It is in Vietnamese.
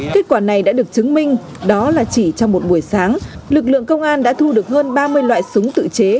kết quả này đã được chứng minh đó là chỉ trong một buổi sáng lực lượng công an đã thu được hơn ba mươi loại súng tự chế